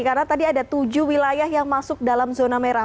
karena tadi ada tujuh wilayah yang masuk dalam zona merah